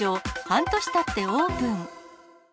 半年たってオープン。